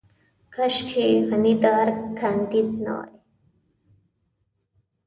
کاشکې غني د ارګ کانديد نه وای.